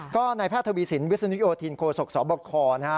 ก็ในพระทบิสิรินวิสาณีโอทินนโคศกศาวบกคอร์นะฮะ